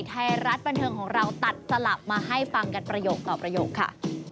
ไทยรัฐบันเทิงของเราตัดสลับมาให้ฟังกันประโยคต่อประโยคค่ะ